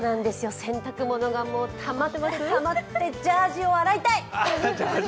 洗濯物がたまってたまってジャージを洗いたい。